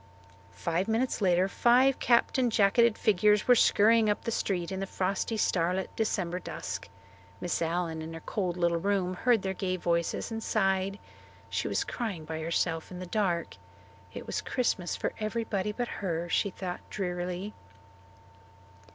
Five minutes later five capped and jacketed figures were scurrying up the street in the frosty, starlit December dusk. Miss Allen in her cold little room heard their gay voices and sighed. She was crying by herself in the dark. It was Christmas for everybody but her, she thought drearily.